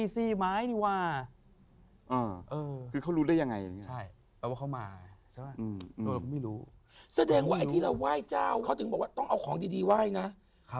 แสดงว่าไอ้ที่เราไหว้เจ้าเขาถึงบอกว่าต้องเอาของดีไหว้นะ